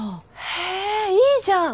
へえいいじゃん。